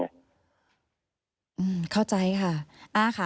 อืมเข้าใจค่ะ